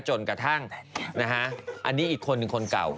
จนกระทั่งอันนี้อีกคนหนึ่งคนเก่า